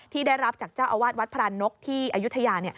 ที่ได้รับจากเจ้าอาวาสวัดพรานนกที่อายุทยา